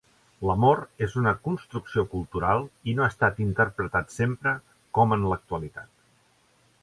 L'amor és una construcció cultural i no ha estat interpretat sempre com en l’actualitat.